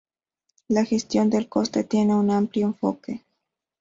La gestión del coste tiene un amplio enfoque.